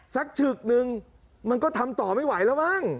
ฉึกนึงมันก็ทำต่อไม่ไหวแล้วมั้ง